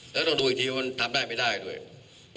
และต้องดูอีกทีว่าทำได้หรือไม่ได้